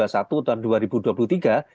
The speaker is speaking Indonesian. justru yang mendorong presiden dki